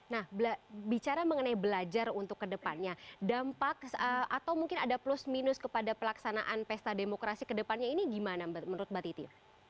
nah bicara mengenai belajar untuk kedepannya dampak atau mungkin ada plus minus kepada pelaksanaan pesta demokrasi kedepannya ini gimana menurut mbak titi